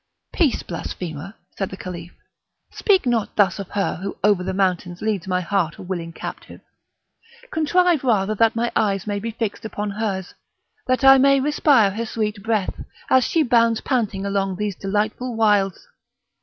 "Peace, blasphemer!" said the Caliph; "speak not thus of her who over her mountains leads my heart a willing captive; contrive rather that my eyes may be fixed upon hers, that I may respire her sweet breath, as she bounds panting along these delightful wilds!"